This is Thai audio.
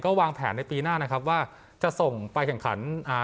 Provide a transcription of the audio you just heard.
วางแผนในปีหน้านะครับว่าจะส่งไปแข่งขันอ่า